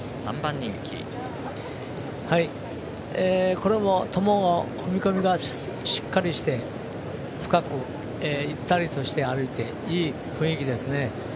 これもトモの踏み込みがしっかりして、深くゆったりとして歩いていい雰囲気ですね。